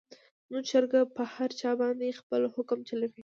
زموږ چرګه په هر چا باندې خپل حکم چلوي.